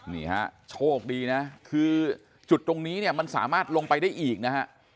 นี่ฮะโชคดีนะคือจุดตรงนี้เนี่ยมันสามารถลงไปได้อีกนะฮะ